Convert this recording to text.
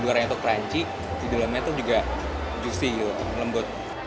di luarnya itu crunchy di dalamnya itu juga juicy gitu lembut